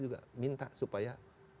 juga minta supaya